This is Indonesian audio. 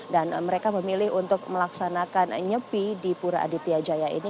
dan mereka memilih untuk melaksanakan nyepi di pura aditya jaya ini